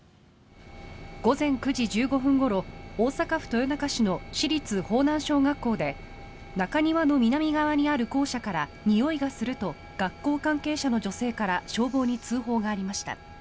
午前９時１５分ごろ大阪府豊中市の市立豊南小学校で中庭の南側にある校舎からにおいがすると学校関係者の女性から消防に通報がありました。